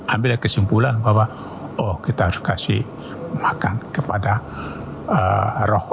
ambil kesimpulan bahwa oh kita harus kasih makan kepada roh